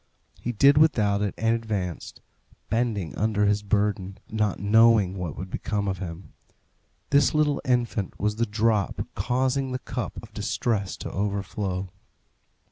He did without it and advanced, bending under his burden, not knowing what would become of him. This little infant was the drop causing the cup of distress to overflow.